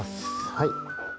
はい。